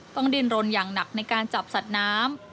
ต้องเรียนรนอย่างหนักในการจับสับน้ำ